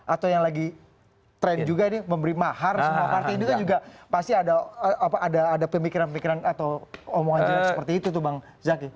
atau yang lagi tren juga ini memberi mahar semua partai ini kan juga pasti ada pemikiran pemikiran atau omongan jerat seperti itu tuh bang zaky